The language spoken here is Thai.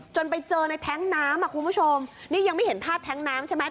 ไปเจอในแท้งน้ำอ่ะคุณผู้ชมนี่ยังไม่เห็นภาพแท้งน้ำใช่ไหม